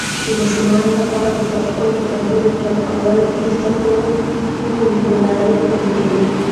د ماشومانو لپاره د پښتو کتابونه چاپول د زده کړې لړی قوي کوي.